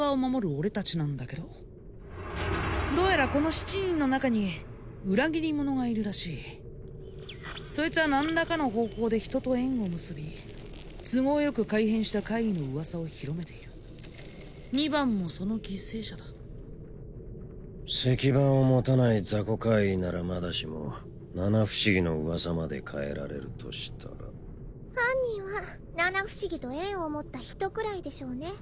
俺達なんだけどどうやらこの七人の中に裏切り者がいるらしいそいつは何らかの方法でヒトと縁を結び都合よく改変した怪異の噂を広めている二番もその犠牲者だ席番を持たない雑魚怪異ならまだしも七不思議の噂まで変えられるとしたら犯人は七不思議と縁を持ったヒトくらいでしょうね